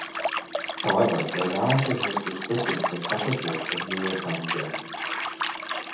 However, their analysis was restricted to the special case of zero-sum games.